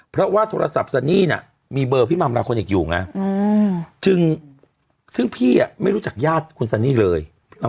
เพราะว่าโทรศัพท์ซันนี่น่ะมีเบอร์พี่มัมลาโคนิคอยู่ไงจึงซึ่งพี่ไม่รู้จักญาติคุณซันนี่เลย